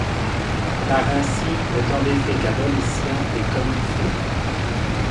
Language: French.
Par ainsi, ne t’en deffais qu’à bon escient et comme il faut.